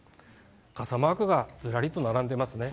傘マークがずらりと並んでますね。